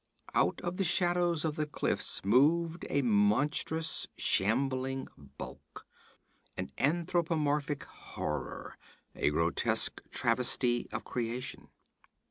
Out of the shadows of the cliffs moved a monstrous shambling bulk an anthropomorphic horror, a grotesque travesty of creation.